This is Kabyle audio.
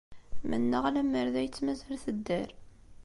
Mennaɣ lemmer d ay tt-mazal tedder.